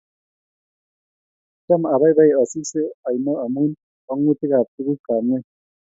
Cham abaibai asise oino amu kwongutik kab tuguk kab ngweny